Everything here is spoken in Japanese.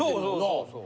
そうそう。